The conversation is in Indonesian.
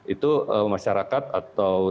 itu masyarakat atau